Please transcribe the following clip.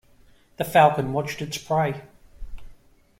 The falcon watched its prey.